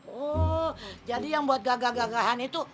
oh jadi yang buat gagah gagahan itu